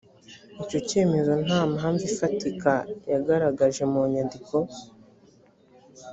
icyo cyemezo nta mpamvu ifatika yagaragaje mu nyandiko